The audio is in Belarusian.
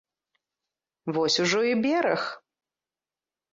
Вось ужо і бераг.